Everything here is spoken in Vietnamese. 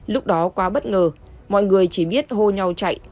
lúc đó quá bất ngờ mọi người chỉ biết hô nhau chạy